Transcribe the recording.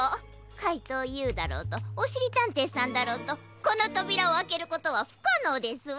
かいとうＵだろうとおしりたんていさんだろうとこのとびらをあけることはふかのうですわ！